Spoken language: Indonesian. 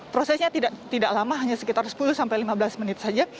prosesnya tidak lama hanya sekitar sepuluh sampai lima belas menit saja